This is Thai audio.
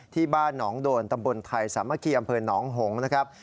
ที่บ้านหนองโดนตำบลไทยสามัคคีอำเภอหนองหงษ์นะครับ